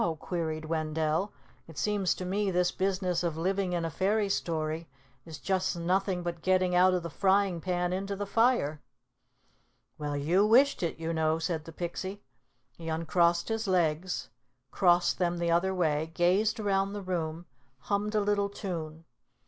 queried Wendell. "It seems to me this business of living in a fairy story is just nothing but getting out of the frying pan into the fire." "Well, you wished it, you know," said the Pixie. He uncrossed his legs, crossed them the other way, gazed around the room, hummed a little tune.